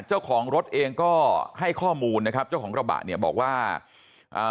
เจ้าของรถเองก็ให้ข้อมูลนะครับเจ้าของกระบะเนี่ยบอกว่าอ่า